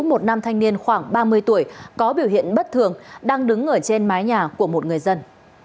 một nam thanh niên khoảng ba mươi tuổi có biểu hiện bất thường đang đứng ở trên mái nhà của một người dân